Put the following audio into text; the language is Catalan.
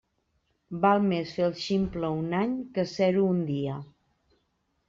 Val més fer el ximple un any que ser-ho un dia.